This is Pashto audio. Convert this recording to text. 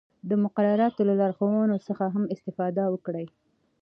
د مقرراتو له لارښوونو څخه هم استفاده وکړئ.